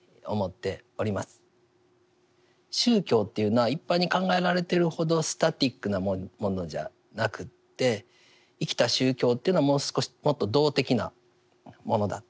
宗教というのは一般に考えられているほどスタティックなものじゃなくて生きた宗教というのはもう少しもっと動的なものだと。